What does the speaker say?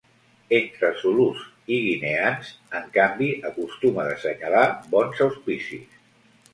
Entre zulús i guineans, en canvi, acostuma d'assenyalar bons auspicis.